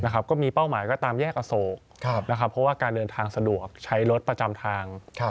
ก็มีเป้าหมายก็ตามแยกอโศกเพราะว่าการเดินทางสะดวกใช้รถประจำทาง